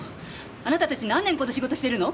あなたたち何年この仕事してるの！